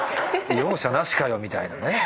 容赦なしかよみたいなね。